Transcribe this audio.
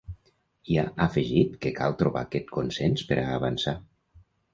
I ha afegit que ‘cal trobar aquest consens per a avançar’.